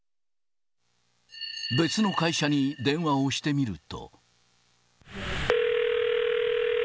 別の会社に電話をしてみると。